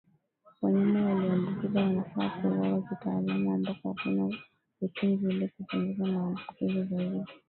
Wanyama walioambukizwa wanafaa kuuawa kitaalamu ambako hakuna uchungu ili kupunguza maambukizi zaidi